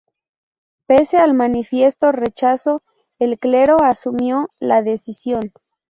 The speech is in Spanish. Pese al manifiesto rechazo, el clero asumió la decisión.